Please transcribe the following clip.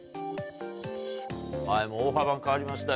・はいもう大幅に変わりましたよ。